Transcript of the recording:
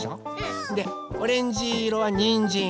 でオレンジいろはにんじん。